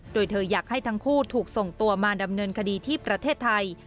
โดยเธออยากให้ทั้งคู่ถูกส่งตัวมาดำเนินคดีที่ประเทศไทย